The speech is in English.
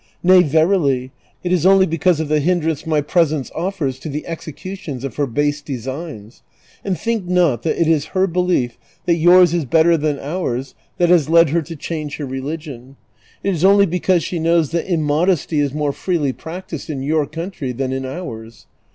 Nay verily, it is only because of the hindrance my presence offers to the execution of her base designs. And think not that it is her belief that yours is better than ours that has led her to change her religion ; it is only because she knows that immodesty is more freely practised in your country than in ours."